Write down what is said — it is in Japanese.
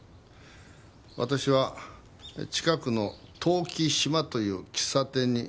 私は近くの「遠き島」という喫茶店に。